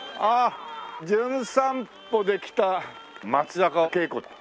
『じゅん散歩』で来た松坂慶子。